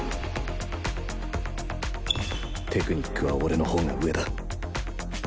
テクニックは俺の方が上だ